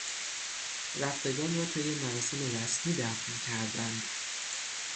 رفتگان را طی مراسم رسمی دفن کردند.